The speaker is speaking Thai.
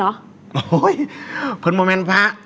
โอ้ยพึ่งมาแม่นพระ